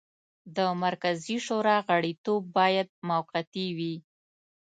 د مرکزي شورا غړیتوب باید موقتي وي.